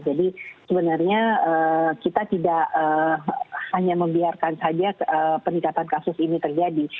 jadi sebenarnya kita tidak hanya membiarkan saja peningkatan kasus ini terjadi